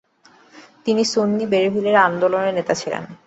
তিনি সুন্নি বেরলভী আন্দোলনের নেতা ছিলেন।